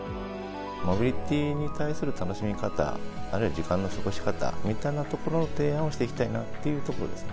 モビリティに対する楽しみ方、あるいは時間の過ごし方みたいなところの提案をしていきたいなっていうところですね。